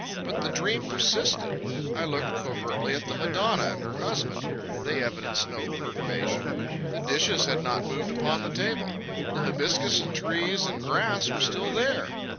But the dream persisted. I looked covertly at the Madonna and her husband. They evidenced no perturbation. The dishes had not moved upon the table. The hibiscus and trees and grass were still there.